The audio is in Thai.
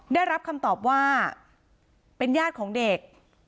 ได้รับคำตอบว่าเป็นญาติของเด็ก